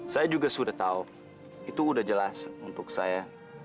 saya juga sudah tahu itu sudah jelas untuk saya